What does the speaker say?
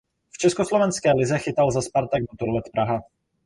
V československé lize chytal za Spartak Motorlet Praha.